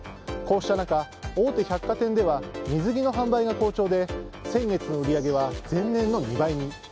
こうした中、大手百貨店では水着の販売が好調で先月の売り上げは前年の２倍に。